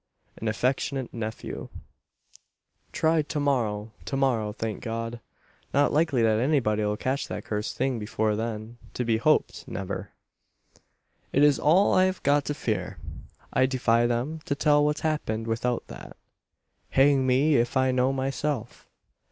AN AFFECTIONATE NEPHEW. "Tried to morrow to morrow, thank God! Not likely that anybody 'll catch that cursed thing before then to be hoped, never. "It is all I've got to fear. I defy them to tell what's happened without that. Hang me if I know myself!